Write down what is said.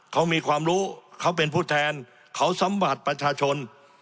เขามีความรู้เขาเป็นผู้แทนเขาสมบัติประชาชน